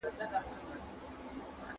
آیا تاسو د ای اېچ کار نظریات منئ؟